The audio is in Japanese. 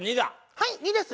はい「２」です。